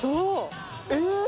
えっ！